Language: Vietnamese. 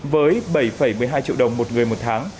với bảy một mươi hai triệu đồng một người một tháng